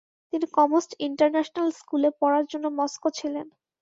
তিনি কমোস্ট ইন্টারন্যাশনাল স্কুলে পড়ার জন্য মস্কো ছিলেন।